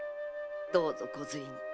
どうぞご随意に。